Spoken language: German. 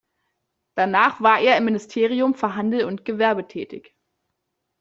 Danach war er im Ministerium für Handel und Gewerbe tätig.